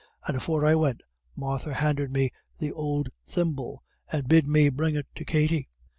And afore I went Martha handed me out th' ould thimble, and bid me bring it to Katty.